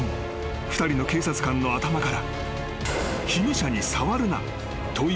２人の警察官の頭から］